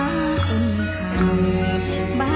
ทรงเป็นน้ำของเรา